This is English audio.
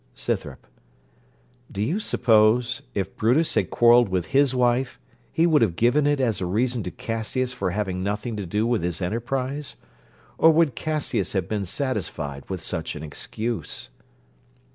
SCYTHROP Do you suppose, if Brutus had quarrelled with his wife, he would have given it as a reason to Cassius for having nothing to do with his enterprise? Or would Cassius have been satisfied with such an excuse?